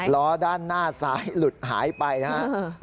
ล้อด้านหน้าซ้ายหลุดหายไปนะครับ